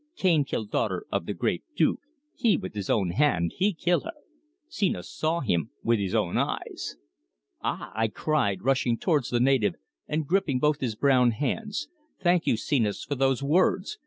Cane kill daughter of the great Duke he with his own hand he kill her. Senos saw him with his own eyes!" "Ah!" I cried, rushing towards the native, and gripping both his brown hands. "Thank you, Senos, for those words.